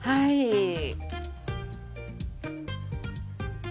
はい。